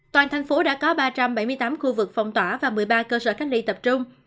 toàn thành phố đã có ba trăm bảy mươi tám khu vực phòng tỏa và một mươi ba cơ sở cách ly tập trung